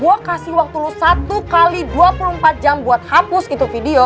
gue kasih waktu lu satu x dua puluh empat jam buat hapus itu video